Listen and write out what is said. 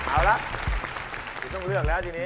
เอาละคือต้องเลือกแล้วทีนี้